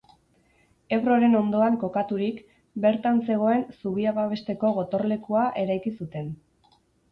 Ebroren ondoan kokaturik, bertan zegoen zubia babesteko gotorlekua eraiki zuten.